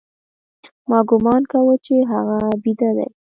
ما گومان کاوه چې هغه بيده دى.